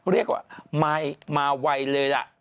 เรียกว่ามาไวเลยล่ะ